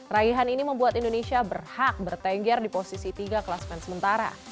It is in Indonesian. raihan ini membuat indonesia berhak bertengger di posisi tiga kelas men sementara